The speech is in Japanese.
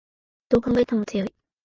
どう考えても強い